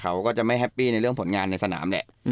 เขาก็จะไม่แฮปปี้ในเรื่องผลงานในสนามแหละ